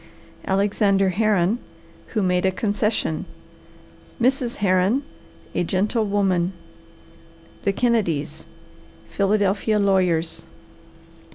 ALEXANDER HERRON, Who Made a Concession. MRS. HERRON, A Gentle Woman. THE KENNEDYS, Philadelphia Lawyers.